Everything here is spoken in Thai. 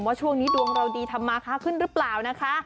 ว่าช่วงนี้ดวงเราดีทำมาค้าขึ้นหรือเปล่านะคะ